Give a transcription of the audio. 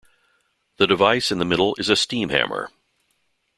The device in the middle is a steam hammer.